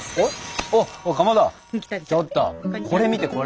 これ見てこれ。